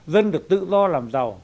dân được tự do làm giàu